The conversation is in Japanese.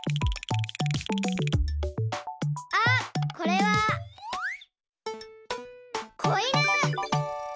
あっこれはこいぬ！